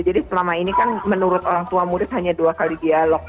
jadi selama ini kan menurut orang tua murid hanya dua kali dialog